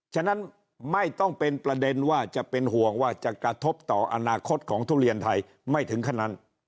ฉะนั้นไม่ต้องเป็นประเด็นว่าจะเป็นห่วงว่าจะกระทบต่ออนาคตของทุเรียนไทยไม่ถึงขนาดนั้น